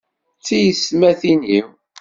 Tiyessetmatin-iw